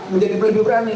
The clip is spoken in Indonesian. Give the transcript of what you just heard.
menjadi lebih berani